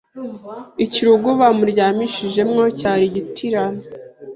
Ikirugu bamuryamishijemo cyari igitirano